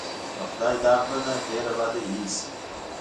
د خدای دا کړنه ډېره بده اېسي.